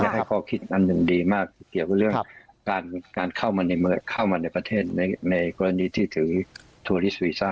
ในกรณีที่คุณเอาทัวร์เข้ามาเพื่อให้ฉีด